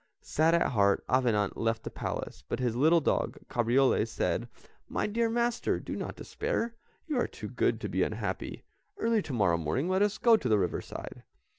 Sad at heart Avenant left the Palace, but his little dog, Cabriole, said, "My dear master, do not despair, you are too good to be unhappy. Early to morrow morning let us go to the river side."